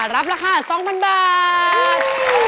รับราคา๒๐๐๐บาท